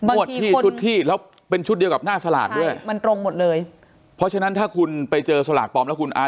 วดที่ชุดที่แล้วเป็นชุดเดียวกับหน้าสลากด้วยมันตรงหมดเลยเพราะฉะนั้นถ้าคุณไปเจอสลากปลอมแล้วคุณอา